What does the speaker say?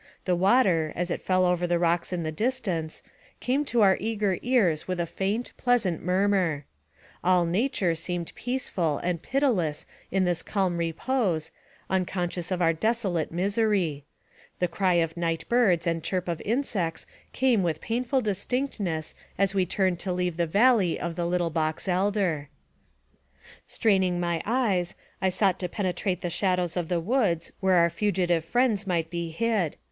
The water, as it fell over the rocks in the distance, came to our eager ears with a faint, pleasant murmur. All nature seemed peaceful and pitiless in its calm repose, unconscious of our desolate misery ; the cry of night birds and chirp of insects came with painful distinctness as we turned to leave the valley of Little Box Elder. 44 NARKATIVE OF CAPTIVITY Straining my eyes, I sought to penetrate the shadows of the woods where our fugitive friends might be hid.